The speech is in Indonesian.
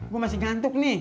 gue masih ngantuk nih